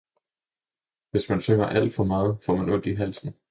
Hvis man synger alt for meget, får man ondt I halsen.